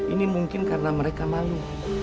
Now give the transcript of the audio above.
ini mungkin karena mereka malu